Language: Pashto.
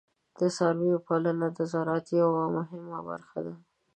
د څارویو پالنه د زراعت یوه مهمه برخه ده.